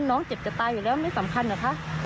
น้องเจ็บจะตายอยู่แล้วไม่สำคัญเหรอคะ